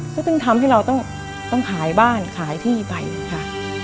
ก็ต้องทำให้เราต้องขายบ้านขายที่ไปค่ะ